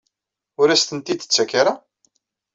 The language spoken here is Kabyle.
Ur as-tent-id-tettak ara?